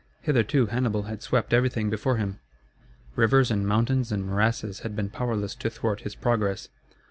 Hitherto Hannibal had swept everything before him. Rivers and mountains and morasses had been powerless to thwart his progress.